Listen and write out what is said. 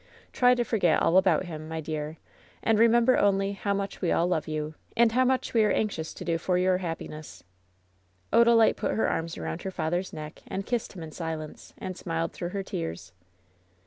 Try to forget all about him, my dear, and remember only how much we all love you, and how much we are anxious to do for your happiness." Odalite put her arms around her father's neck, and kissed him in silence, and smiled through her tears.